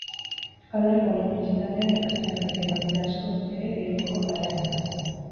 Euskal Herriko Unibertsitatean ikasten ari diren gazte asko ere bideojoko zaleak dira